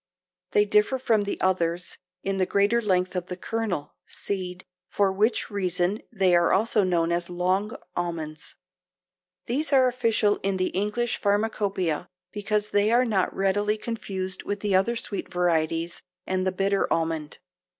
They differ from the others in the greater length of the kernel (seed), for which reason they are also known as long almonds. These are official in the English Pharmacopoeia because they are not readily confused with other sweet varieties and the bitter almond.